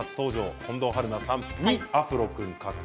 近藤春菜さんは２アフロ君。